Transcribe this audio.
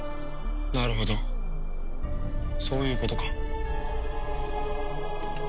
なるほどそういうことか。